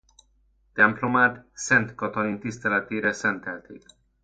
Templomát Szent Katalin tiszteletére szentelték.